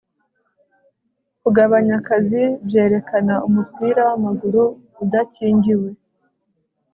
Kugabanya akazi byerekana umupira wamaguru udakingiwe